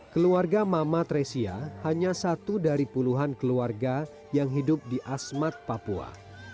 keluarga mama tresia hanya satu dari puluhan keluarga yang hidup di asmat papua